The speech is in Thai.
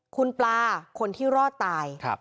คุณปลาคนที่รอดตาย